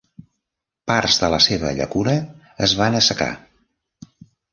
Parts de la seva llacuna es van assecar.